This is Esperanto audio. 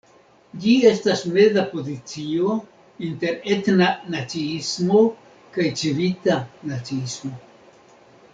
Ĝi estas meza pozicio inter etna naciismo kaj civita naciismo.